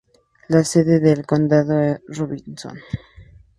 La sede del condado es Robinson.